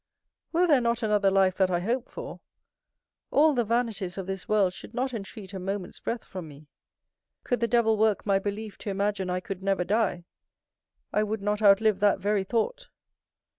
Were there not another life that I hope for, all the vanities of this world should not entreat a moment's breath from me. Could the devil work my belief to imagine I could never die, I would not outlive that very thought.